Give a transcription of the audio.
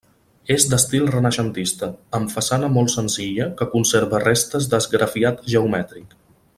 És d'estil renaixentista, amb façana molt senzilla que conserva restes d'esgrafiat geomètric.